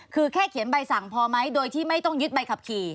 คือแค่เขียนใบสั่งพอไหมโดยที่ไม่ต้องยึดใบขับขี่